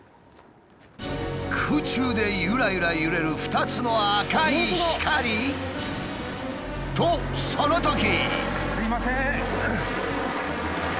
空中でゆらゆら揺れる２つの赤い光！？とそのとき。